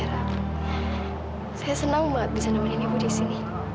masih bisa diselamatkan kan